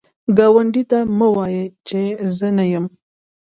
ګاونډي ته مه وایی چې زه نه یم